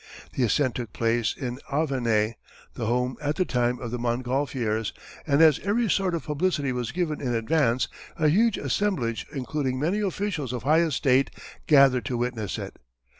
The ascent took place at Avonay, the home at the time of the Montgolfiers, and as every sort of publicity was given in advance, a huge assemblage including many officials of high estate gathered to witness it.